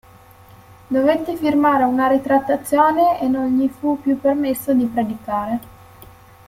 Dovette firmare una ritrattazione e non gli fu più permesso di predicare.